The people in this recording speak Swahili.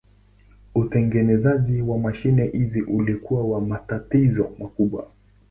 Utengenezaji wa mashine hizi ulikuwa na matatizo makubwa.